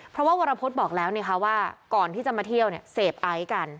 เพราะว่าวรพฤษบอกแล้วว่าก่อนที่จะมาเที่ยวเนี่ยเสพไอซ์กัน